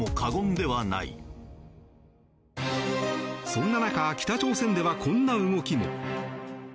そんな中、北朝鮮ではこんな動きも。